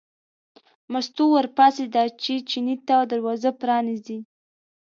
مستو ور پاڅېده چې چیني ته دروازه پرانیزي.